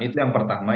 itu yang pertama